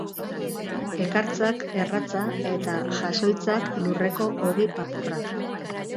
Ekartzak erratza eta jasoitzak lurreko ogi papurrak.